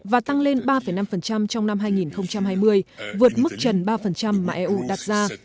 và tăng lên ba năm trong năm hai nghìn hai mươi vượt mức trần ba mà eu đặt ra